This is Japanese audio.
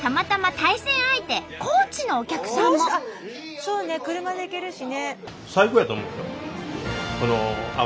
そうね車で行けるしね。